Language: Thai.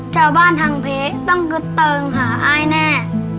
เจ้าบ้านทางเพียร์ต้องกฤตเติร์นหาอายแน่